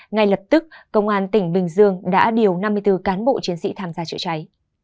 ngay lập tức công an tỉnh bình dương đã điều năm mươi bốn cán bộ chiến sĩ tham gia chữa cháy